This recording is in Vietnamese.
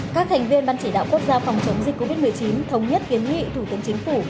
các thành viên ban chỉ đạo quốc gia phòng chống dịch covid một mươi chín thống nhất kiến nghị thủ tướng chính phủ